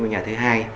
nhà thứ hai